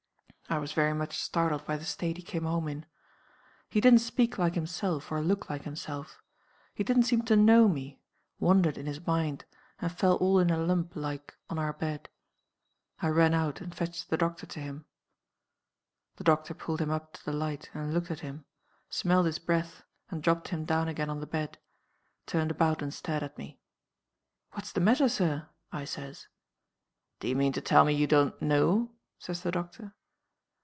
I was very much startled by the state he came home in. He didn't speak like himself, or look like himself: he didn't seem to know me wandered in his mind, and fell all in a lump like on our bed. I ran out and fetched the doctor to him. "The doctor pulled him up to the light, and looked at him; smelled his breath, and dropped him down again on the bed; turned about, and stared at me. 'What's the matter, Sir?' I says. 'Do you mean to tell me you don't know?' says the doctor.